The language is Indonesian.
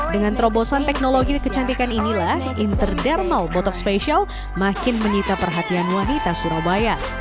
dengan terobosan teknologi kecantikan inilah interdermal botok special makin menyita perhatian wanita surabaya